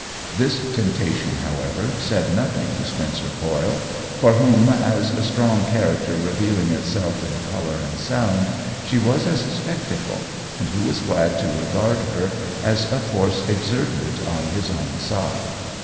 This temptation, however, said nothing to Spencer Coyle, for whom, as a strong char acter revealing itself in color and sound, she was as a spectacle, and who was glad to regard her as a force exerted on his own side.